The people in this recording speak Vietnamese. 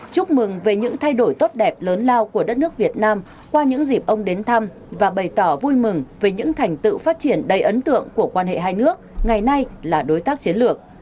chúc mừng về những thay đổi tốt đẹp lớn lao của đất nước việt nam qua những dịp ông đến thăm và bày tỏ vui mừng về những thành tựu phát triển đầy ấn tượng của quan hệ hai nước ngày nay là đối tác chiến lược